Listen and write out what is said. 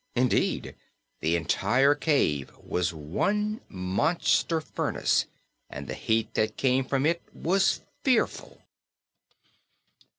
Indeed, the entire cave was one monster furnace and the heat that came from it was fearful.